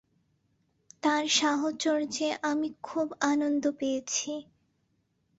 তাঁর সাহচর্যে আমি খুব আনন্দ পেয়েছি।